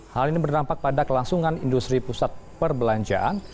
hal ini berdampak pada kelangsungan industri pusat perbelanjaan